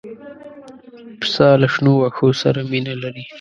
پسه له شنو واښو سره مینه لري.